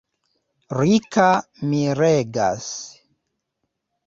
Rika miregas.